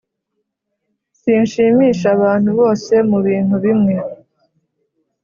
Sinshimisha abantu bose mu bintu bimwe